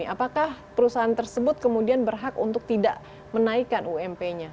apakah perusahaan tersebut kemudian berhak untuk tidak menaikkan ump nya